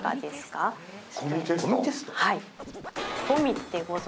はい。